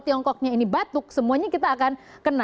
tiongkoknya ini batuk semuanya kita akan kena